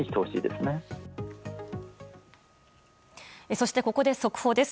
そして、ここで速報です。